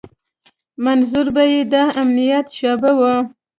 منظور به يې د امنيت شعبه وه.